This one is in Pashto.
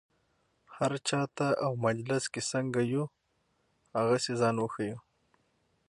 هر چا ته او مجلس کې څنګه یو هغسې ځان وښیو.